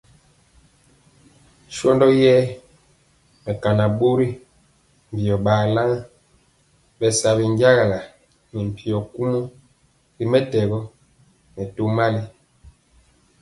Shɔndɔ yɛra mɛkaa ɓɔri mbio balan bɛ sa binjagala ne mpyo kumɔ ri mɛtɛgɔ nɛ tɔbi mali.